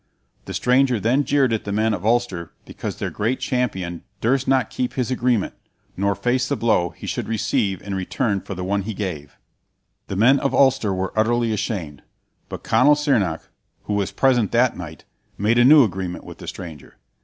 The stranger then jeered at the men of Ulster because their great champion durst not keep his agreement, nor face the blow he should receive in return for the one he gave. The men of Ulster were utterly ashamed, but Conall Cearnach, who was present that night, made a new agreement with the stranger.